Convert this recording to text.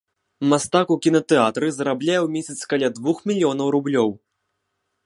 Мастак у кінатэатры зарабляе ў месяц каля двух мільёнаў рублёў.